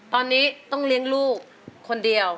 ตอนนี้ต้องเลี้ยงลูกคนเดียว